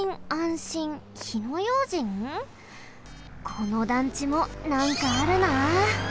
この団地もなんかあるな。